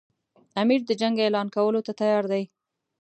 امیر د جنګ اعلان کولو ته تیار دی.